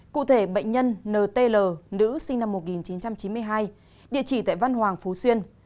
cụ thể bệnh nhân nt nữ sinh năm một nghìn chín trăm chín mươi hai địa chỉ tại văn hoàng phú xuyên